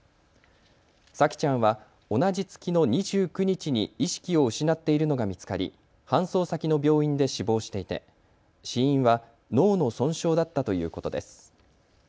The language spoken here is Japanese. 沙季ちゃんは同じ月の２９日に意識を失っているのが見つかり搬送先の病院で死亡していて死因は脳の損傷だったということです。